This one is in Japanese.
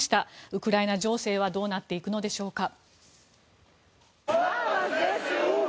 ウクライナ情勢はどうなっていくのでしょうか。